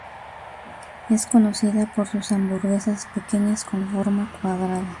Es conocida por sus hamburguesas pequeñas con forma cuadrada.